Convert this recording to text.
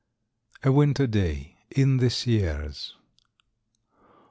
A WINTER DAY. _In the Sierras.